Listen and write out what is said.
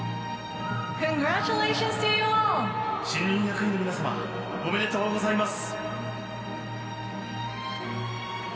新任役員の皆様おめでとうございます。